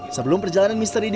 sebelum perjalanan misteri dimulai